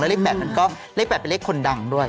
เลข๘นั้นก็เลข๘เป็นเลขคนดังด้วย